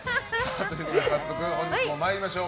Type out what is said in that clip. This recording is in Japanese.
早速、本日も参りましょう。